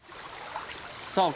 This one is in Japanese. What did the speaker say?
さあ